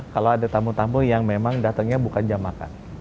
kalau ada tamu tamu yang memang datangnya bukan jam makan